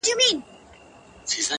دا څنګه چل دی د ژړا او د خندا لوري.